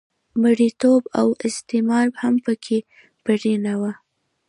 مریتوب او استثمار هم په کې پرېنه و.